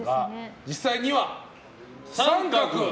実際には△。